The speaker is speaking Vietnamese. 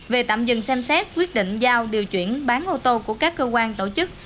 về tạm dừng xem xét quyết định giao điều chuyển bán ô tô của các cơ quan tổ chức